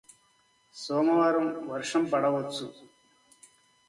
సోమవారం వర్షం పడవచ్చు